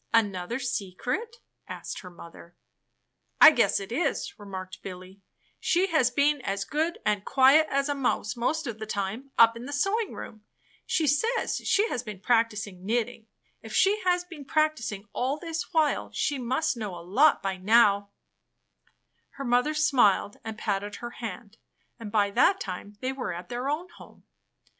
''Another secret?" asked her mother. "I guess it is," remarked Billy. "She has been as good and quiet as a mouse most of the time up in the ily csrrie t ^it in a draift. 218 Knitting and Crocheting Book sewing room. She says she has been practicing knitting. If she has been practicing all this while, she must know a lot by now." Her mother smiled and patted her hand, and by that time they were at their own home.